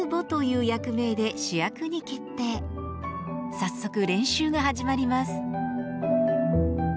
早速練習が始まります。